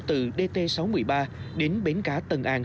từ dt sáu mươi ba đến bến cá tân an